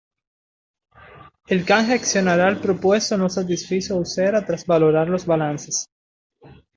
El canje accionarial propuesto no satisfizo a Usera tras valorar los balances.